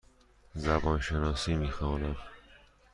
زبان شناسی می خوانم.